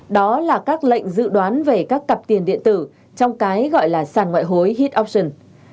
đó là các lệnh dự đoán về các cặp tiền điện tử trong cái gọi là sàn ngoại hối hit option